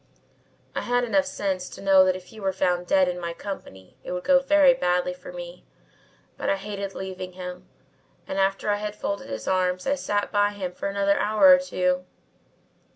I had enough sense to know that if he were found dead in my company it would go very badly with me, but I hated leaving him and after I had folded his arms I sat by him for another hour or two.